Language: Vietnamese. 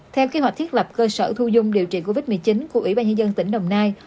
theo kế hoạch thiết lập cơ sở thu dung điều trị covid một mươi chín của ủy ban nhân dân tỉnh đồng nai